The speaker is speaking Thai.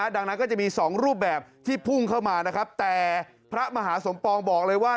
ดังนั้นก็จะมี๒รูปแบบที่พุ่งเข้ามานะครับแต่พระมหาสมปองบอกเลยว่า